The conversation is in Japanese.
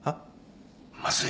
まずい。